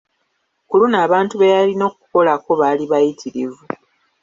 Ku luno abantu be yalina okukolako, baali bayitirivu.